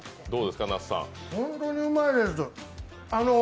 本当にうまいです。